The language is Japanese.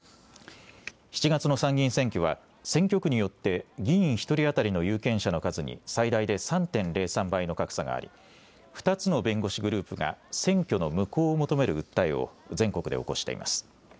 ７月の参議院選挙は、選挙区によって議員１人当たりの有権者の数に、最大で３．０３倍の格差があり、２つの弁護士グループが、選挙の無効を求める訴えを、全国で起こしています。